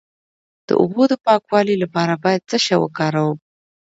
د اوبو د پاکوالي لپاره باید څه شی وکاروم؟